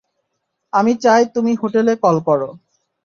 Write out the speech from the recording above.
আমি চাই তুমি হোটেলে কল কর।